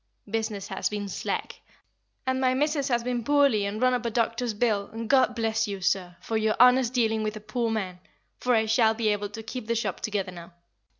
Business has been slack, and my missis has been poorly and run up a doctor's bill, and God bless you, sir, for your honest dealing with a poor man, for I shall be able to keep the shop together now."